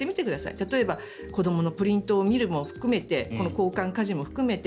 例えば子どものプリントを見るも含めてこの交換家事も含めて